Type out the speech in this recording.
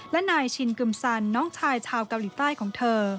และนายชินกึมซันน้องชายชาวเกาหลีใต้ของเธอ